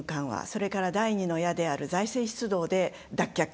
それから、第２の矢である財政出動で脱却したと。